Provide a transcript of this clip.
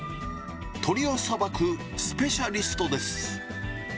鶏をさばくスペシャリストです。